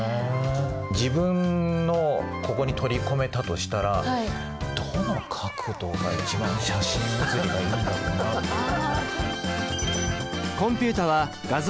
自分のをここに取り込めたとしたらどの角度が一番写真写りがいいんだろうなっていう。